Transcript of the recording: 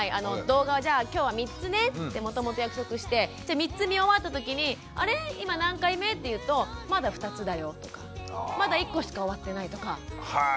「動画じゃあ今日は３つね」ってもともと約束してじゃ３つ見終わったときに「あれ？今何回目？」って言うと「まだ２つだよ」とか「まだ１個しか終わってない」とか。